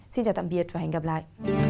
xin chào tạm biệt và hẹn gặp lại